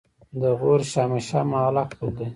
د غور شاهمشه معلق پل دی